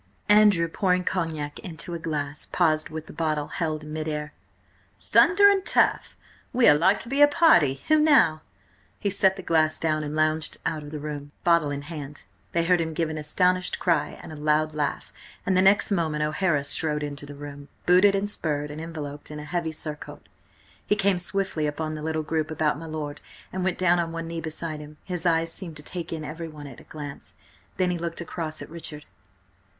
Andrew, pouring cognac into a glass, paused with bottle held in mid air. "Thunder and turf! We are like to be a party! Who now?" He set the glass down and lounged out of the room, bottle in hand. They heard him give an astonished cry and a loud laugh, and the next moment O'Hara strode into the room, booted and spurred and enveloped in a heavy surcoat. He came swiftly upon the little group about my lord and went down on one knee beside him. His eyes seemed to take in everyone at a glance. Then he looked across at Richard.